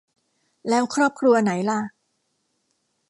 แล้วครอบครัวไหนล่ะ